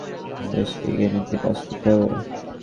সবাইকে নিজ নিজ অবস্থান থেকে দেশকে এগিয়ে নিতে কাজ করতে হবে।